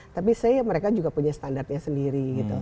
tapi saya mereka juga punya standarnya sendiri gitu